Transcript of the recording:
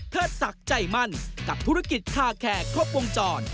ศักดิ์ใจมั่นกับธุรกิจคาแคร์ครบวงจร